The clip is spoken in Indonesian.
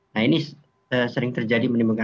nah ini sering terjadi